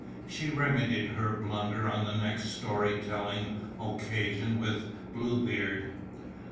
She remedied her blunder on the next storytelling occasion with Blue Beard.